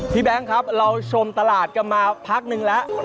พี่แบ๊งค์ครับเราโชมตลาดกลับมาพักหนึ่งแล้ว